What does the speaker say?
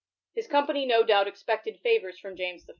His company no doubt ex pected favours from James I.